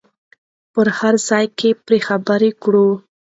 په هر ځای کې پرې خبرې وکړو.